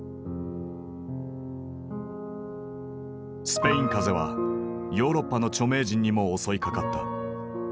スペイン風邪はヨーロッパの著名人にも襲いかかった。